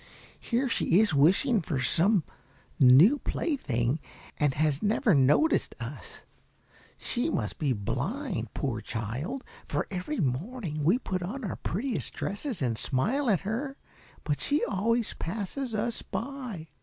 Here she is wishing for some new plaything, and has never noticed us. She must be blind, poor child! for every morning we put on our prettiest dresses and smile at her; but she always passes us by."